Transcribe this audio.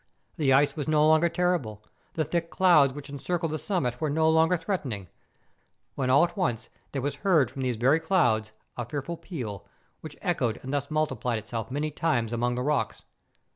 The ice was no longer terrible; the thick clouds which encircled the sum¬ mit were no longer threatening, when all at once there was heard from these very clouds a fearful peal, which echoed and thus multiplied itself many times among the rocks.